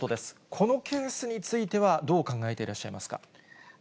このケースについてはどう考えていらっしゃいますか。